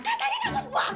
tadi napas buatan